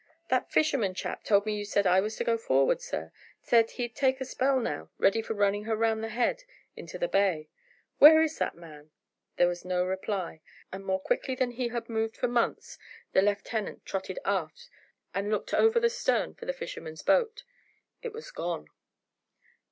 "That fisherman chap told me you said I was to go forward, sir, as he'd take a spell now, ready for running her round the head into the bay." "Where is that man?" There was no reply, and more quickly than he had moved for months, the lieutenant trotted aft, and looked over the stern for the fisherman's boat. It was gone.